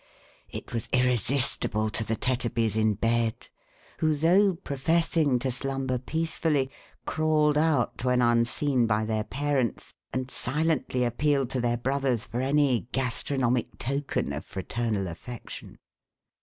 It was MRS. TETTERBY RECOVERS HER TEMPER. 459 irresistible to the Tetterbys in bed, who, though professing to slumber peacefully, crawled out when unseen by their parents, and silently appealed to their brothers for any gastronomic token of fraternal affection.